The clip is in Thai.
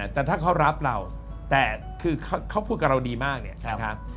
แต่ถ้าเขารับเราแต่คือเขาพูดกับเราดีมากเนี่ยนะครับ